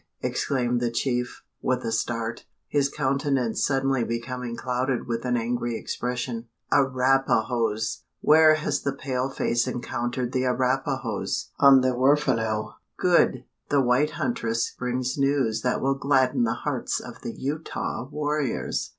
exclaimed the chief, with a start, his countenance suddenly becoming clouded with an angry expression. "Arapahoes! Where has the pale face encountered the Arapahoes?" "On the Huerfano." "Good; the white huntress brings news that will gladden the hearts of the Utah warriors!